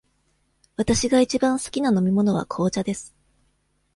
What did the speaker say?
わたしがいちばん好きな飲み物は紅茶です。